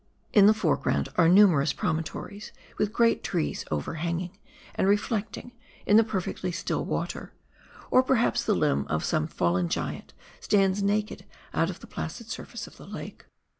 In the foreground are numerous promontories, with great trees overhanging and reflected in the perfectly still water, or perhaps the limb of some fallen giant stands naked out of the placid surface of the lake.